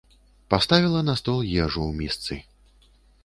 Паставіла на стол ежу ў місцы.